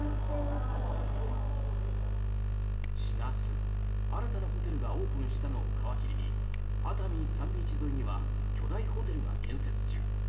４月、新たなホテルがオープンしたのを皮切りに熱海サンビーチ沿いには巨大ホテルが建設中。